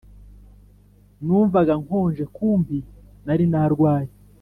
Numvaga nkonje kumbi nari narwaye